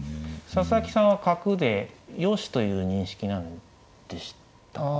佐々木さんは角でよしという認識なんでしたか。